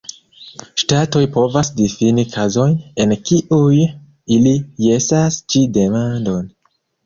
Ŝtatoj povas difini kazojn, en kiuj ili jesas ĉi demandon.